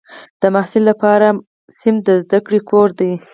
د محصل لپاره ټولګی د زده کړې کور دی.